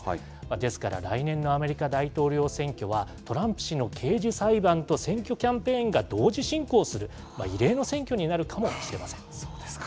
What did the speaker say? ですから、来年のアメリカ大統領選挙は、トランプ氏の刑事裁判と選挙キャンペーンが同時進行する、そうですか。